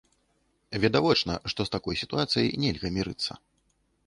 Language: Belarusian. Відавочна, што з такой сітуацыяй нельга мірыцца.